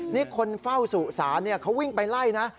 นี่คนเฝ้าสุสานเขาวิ่งไปไล่นะ